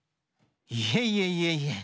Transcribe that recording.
いえいえいえいえ。